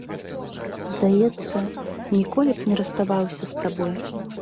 Здаецца, ніколі б не расставаўся з табой.